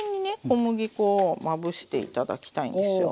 小麦粉をまぶして頂きたいんですよ。